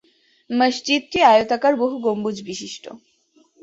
মসজিদটি আয়তাকার বহু-গম্বুজ বিশিষ্ট।